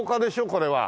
これは。